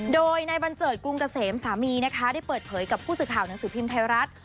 โดยนายบัญเจิดกรุงเกษมสามีนะคะได้เปิดเผยกับผู้สื่อข่าวหนังสือพิมพ์ไทยรัฐ